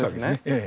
ええ。